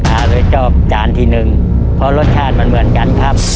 เอาไปจอบจานที่หนึ่งเพราะรสชาติมันเหมือนกันครับ